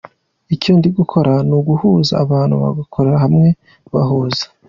Icyo ndi gukora ni uguhuza abantu, bagakorera hamwe, bahuza.